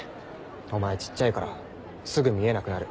お前ちっちゃいからすぐ見えなくなる。